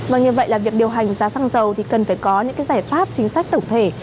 vâng như vậy là việc điều hành giá xăng dầu thì cần phải có những cái giải pháp chính sách tổng thể